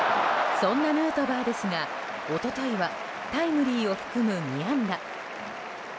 そんなヌートバーですが一昨日はタイムリーを含む２安打。